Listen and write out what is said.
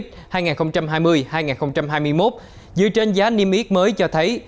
trong năm hai nghìn hai mươi hai nghìn hai mươi một dựa trên giá niêm yết mới cho thấy